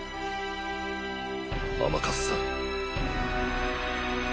甘粕さん。